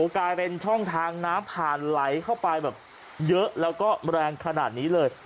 กลายเป็นช่องทางน้ำผ่านไหลเข้าไปแบบเยอะแล้วก็แรงขนาดนี้เลย